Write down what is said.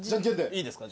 いいですか？